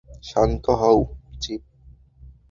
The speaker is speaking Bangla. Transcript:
শান্ত হও, চিপ।